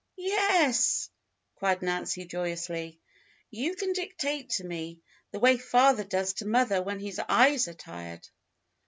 "Yes," cried Nancy joyously. "You can dictate to me, the way father does to mother when his eyes are tired."